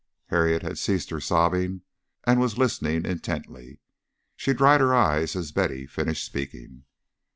Harriet had ceased her sobbing and was listening intently. She dried her eyes as Betty finished speaking.